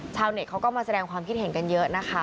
เน็ตเขาก็มาแสดงความคิดเห็นกันเยอะนะคะ